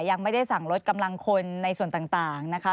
ยังไม่ได้สั่งลดกำลังคนในส่วนต่างนะคะ